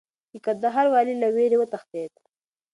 د کندهار والي له ویرې وتښتېد.